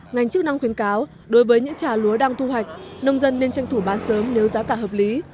ngành chức năng khuyến cáo đối với những trà lúa đang thu hoạch nông dân nên tranh thủ bán sớm nếu giá cả hợp lý